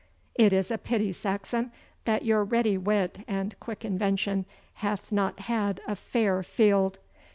'It is a pity, Saxon, that your ready wit and quick invention hath not had a fair field.